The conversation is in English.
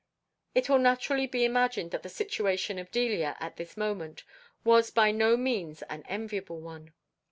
It will naturally be imagined that the situation of Delia at this moment was by no means an enviable one.